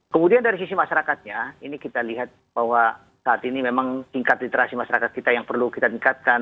kemudian dari sisi masyarakatnya ini kita lihat bahwa saat ini memang tingkat literasi masyarakat kita yang perlu kita tingkatkan